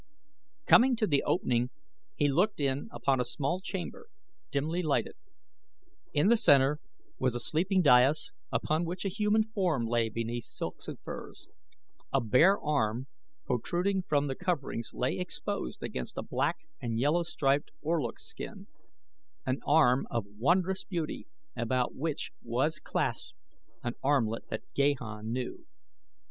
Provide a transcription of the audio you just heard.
Coming to the opening he looked in upon a small chamber dimly lighted. In the center was a sleeping dais upon which a human form lay beneath silks and furs. A bare arm, protruding from the coverings, lay exposed against a black and yellow striped orluk skin an arm of wondrous beauty about which was clasped an armlet that Gahan knew.